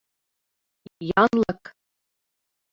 Янлык!..